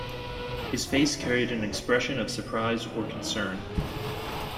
His face carried an expression of surprise or concern.